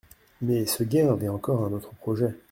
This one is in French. Mais Séguin avait encore un autre projet.